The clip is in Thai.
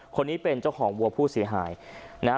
คนนี้เป็นเจ้าของวัวผู้เสียหายนะฮะ